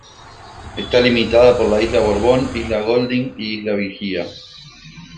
Está limitada por la isla Borbón, isla Golding y isla Vigía.